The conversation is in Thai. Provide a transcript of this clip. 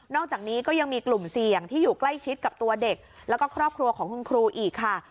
อกจากนี้ก็ยังมีกลุ่มเสี่ยงที่อยู่ใกล้ชิดกับตัวเด็กแล้วก็ครอบครัวของคุณครูอีกค่ะ